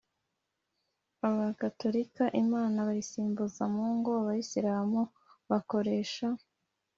abagatolika, imana bayisimbuza mungu, abayisilamu bakoresha "